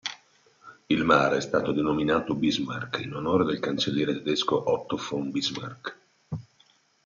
Il mare è stato denominato Bismarck in onore del cancelliere tedesco Otto von Bismarck.